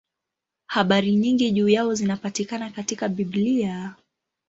Habari nyingi juu yao zinapatikana katika Biblia.